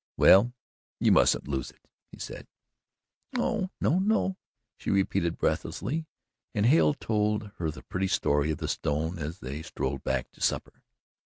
"Well, you mustn't lose it," he said. "No no no," she repeated breathlessly, and Hale told her the pretty story of the stone as they strolled back to supper.